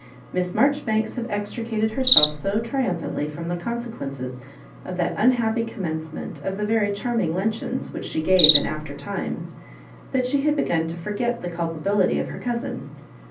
Miss Marjoribanks had extricated herself so triumphantly from the consequences of that unhappy commencement of the very obarming luncheons which she gave in after times, that she had begun to forget the culpa bility of her cousin.